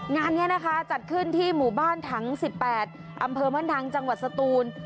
งานนี้นะคะจัดขึ้นที่หมู่บ้านถัง๑๘อำเภอบ้านดังจังหวัดสตูน